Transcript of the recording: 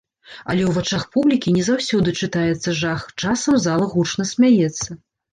Але ў вачах публікі не заўсёды чытаецца жах, часам зала гучна смяецца.